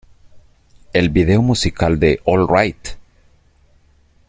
El video musical de ""Alright!